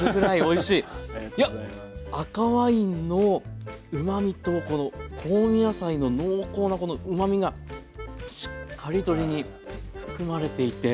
いや赤ワインのうまみとこの香味野菜の濃厚なこのうまみがしっかり鶏に含まれていて。